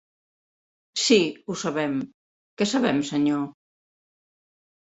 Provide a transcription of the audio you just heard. Sí, ho sabem, què sabem, senyor?